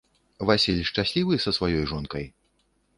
Васіль шчаслівы са сваёй жонкай?